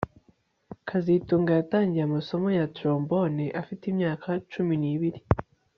kazitunga yatangiye amasomo ya trombone afite imyaka cumi nibiri